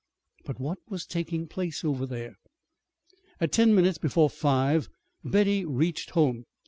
But what was taking place over there? At ten minutes before five Betty reached home.